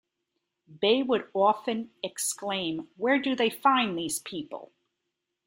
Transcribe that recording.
Bey would often exclaim Where do they find these people?!